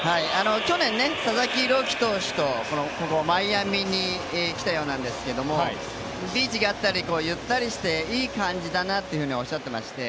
去年、佐々木朗希投手とマイアミに来たようなんですけどもビーチがあったり、ゆったりしていい感じだなとおっしゃっていまして